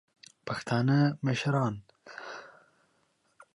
پښتانه مشران